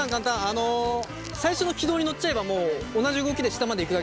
あの最初の軌道に乗っちゃえばもう同じ動きで下までいくだけなので。